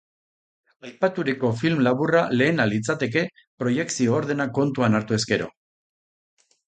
Aipaturiko film laburra lehena litzateke proiekzio ordena kontuan hartuz gero.